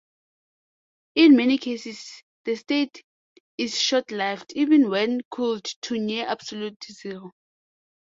In many cases the state is short-lived, even when cooled to near absolute zero.